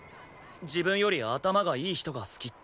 自分より頭がいい人が好きって。